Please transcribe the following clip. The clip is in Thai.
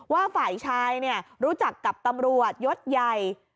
ว่าฝ่ายชายรู้จักกับตำรวจยศใหญ่